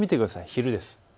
昼です。